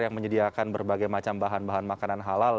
yang menyediakan berbagai macam bahan bahan makanan halal